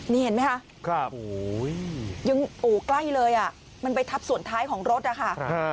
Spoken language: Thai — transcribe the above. นี่เห็นไหมคะยังโอ้ใกล้เลยอ่ะมันไปทับส่วนท้ายของรถนะคะ